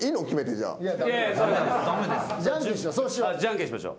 じゃんけんしましょう。